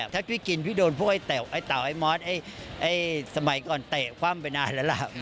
ถ้าพี่กินพี่โดนพวกไอ้เต่าไอ้มอสสมัยก่อนเตะคว่ำไปนานแล้วล่ะ